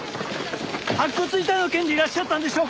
白骨遺体の件でいらっしゃったんでしょうか？